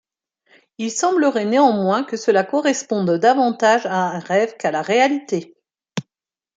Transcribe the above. Il semblerait néanmoins que cela corresponde davantage à un rêve qu'à la réalité.